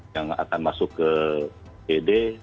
yang akan masuk ke pd